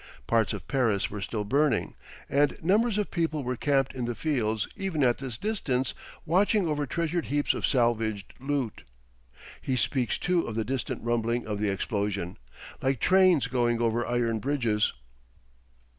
Parts of Paris were still burning, and numbers of people were camped in the fields even at this distance watching over treasured heaps of salvaged loot. He speaks too of the distant rumbling of the explosion—'like trains going over iron bridges.